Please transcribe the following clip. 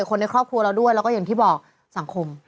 คนในครอบครัวเราด้วยแล้วก็อย่างที่บอกสังคม